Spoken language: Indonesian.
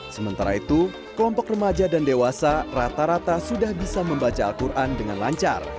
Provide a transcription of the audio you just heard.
sementara itu kelompok remaja dan dewasa rata rata sudah bisa membaca al quran dengan lancar